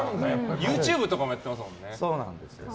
ＹｏｕＴｕｂｅとかやってますもんね。